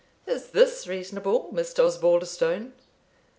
Is this reasonable, Mr. Osbaldistone?"